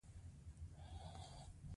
. يو ماښام يوه جومات ته ور وګرځېدم،